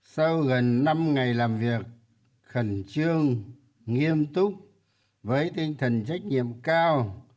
sau gần năm ngày làm việc khẩn trương nghiêm túc với tinh thần trách nhiệm cao